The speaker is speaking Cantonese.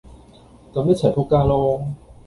咁一齊仆街囉!